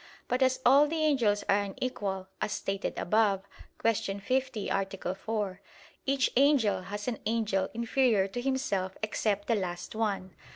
But as all the angels are unequal, as stated above (Q. 50, A. 4), each angel has an angel inferior to himself except the last one.